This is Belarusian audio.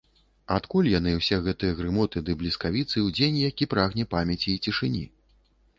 Адкуль яны, усе гэтыя грымоты ды бліскавіцы ў дзень, які прагне памяці і цішыні?!